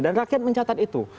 dan rakyat mencatat itu